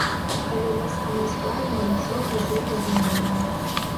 Але на самай справе нічога гэтага няма.